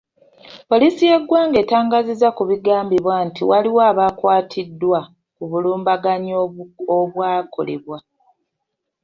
Poliisi y’eggwanga etangaazizza ku bigambibwa nti waliwo abakwatiddwa ku bulumbaganyi obwakolebwa.